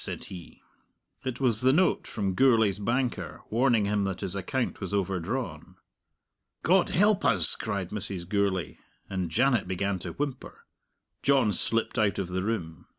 said he. It was the note from Gourlay's banker, warning him that his account was overdrawn. "God help us!" cried Mrs. Gourlay, and Janet began to whimper. John slipped out of the room.